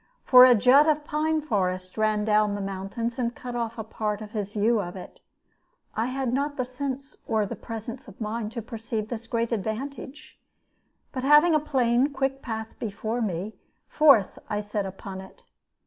For a jut of pine forest ran down from the mountains and cut off a part of his view of it. I had not the sense or the presence of mind to perceive this great advantage, but having a plain, quick path before me, forth I set upon it.